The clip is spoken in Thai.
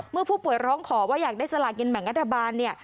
เมื่อผู้ป่วยร้องขอว่าอยากได้สลากินแบ่งรัฐบาลเนี่ย